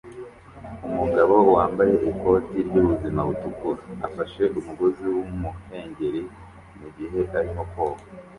Umugabo wambaye ikoti ryubuzima butukura afashe umugozi wumuhengeri mugihe arimo koga